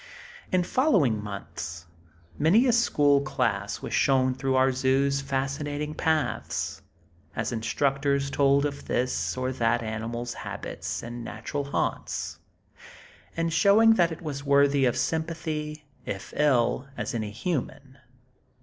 In following months many a school class was shown through our zoo's fascinating paths, as instructors told of this or that animal's habits and natural haunts; and showing that it was as worthy of sympathy, if ill, as any human.